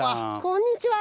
こんにちは。